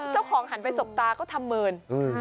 เจ้าของหันไปสกตาก็ทำเมิน